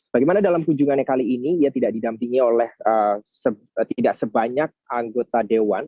bagaimana dalam kunjungannya kali ini ia tidak didampingi oleh tidak sebanyak anggota dewan